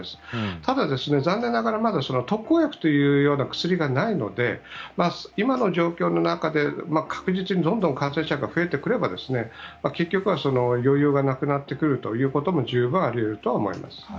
ただ、残念ながらまだ特効薬といえる薬がないので今の状況の中で確実にどんどん感染者が増えてくれば結局は余裕がなくなってくるということも十分あり得るとは思います。